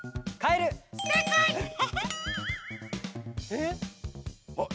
えっ。